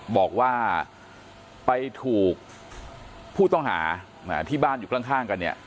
บอกว่าไปถูกผู้ต้องหาที่บ้านอยู่ข้างกันเนี่ย